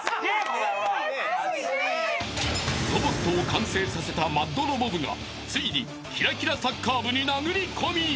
［ロボットを完成させたＭＡＤロボ部がついにきらきらサッカー部に殴り込み］